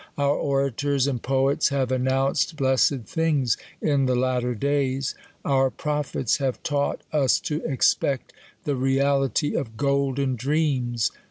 Our orators and poets have announced bless ed things in the latter days. Our prophets have taught TIIE COLUMBIAN ORATOR. 285 taught us to expect the reality of golden dreams.